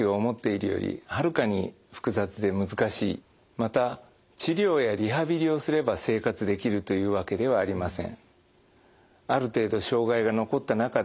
また治療やリハビリをすれば生活できるというわけではありません。